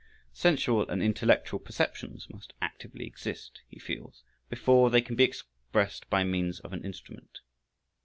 Sensual and intellectual perceptions must actively exist, he feels, before they can be expressed by means of an instrument.